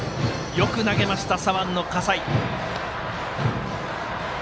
よく投げました、左腕の葛西。